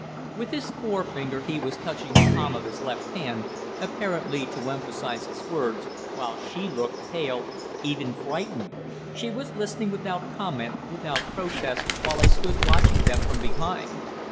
With his forefinger he was touching the palm of his left hand, apparently to emphasize his words, while she looked pale, even frightened. She was listening without comment, without protest, while I stood watching them from behind.